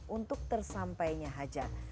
untuk tersampainya hajat